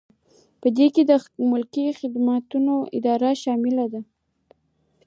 په دې کې د ملکي خدمتونو اداره شامله ده.